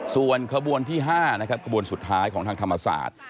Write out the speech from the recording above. ส่วนขบวนที่๕นะครับขบวนสุดท้ายของทางธรรมศาสตร์